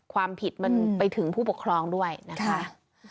ความผิดมันไปถึงผู้ปกครองด้วยนะคะ